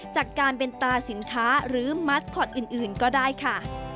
จากการเป็นตราสินค้าหรือมัสคอตอื่นก็ได้ค่ะ